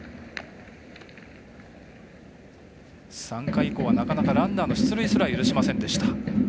３回以降はなかなかランナーの出塁すら許しませんでした。